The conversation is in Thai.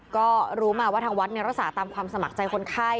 ก็รู้มาว่าทางวัดรักษาตามความสมัครใจคนไข้